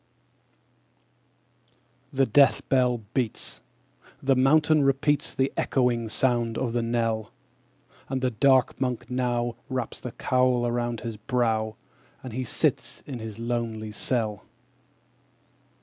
The death bell beats! The mountain repeats The echoing sound of the knell; And the dark Monk now Wraps the cowl round his brow, _5 As he sits in his lonely cell.